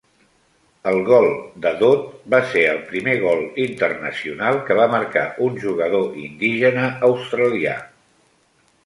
El gol de Dodd va ser el primer gol internacional que va marcar un jugador indígena australià.